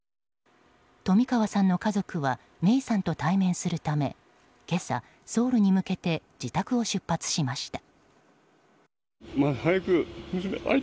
冨川さんの家族は芽生さんと対面するため今朝、ソウルに向けて自宅を出発しました。